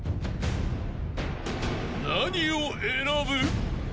［何を選ぶ？］